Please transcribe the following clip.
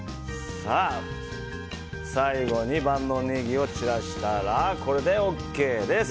最後に万能ネギを散らしたらこれでＯＫです。